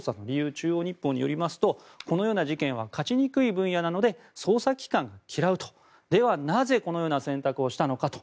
中央日報によりますとこのような事件は勝ちにくい分野なので捜査機関が嫌うでは、なぜこのような選択をしたのかと。